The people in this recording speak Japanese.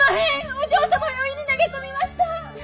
お嬢様をお湯に投げ込みました。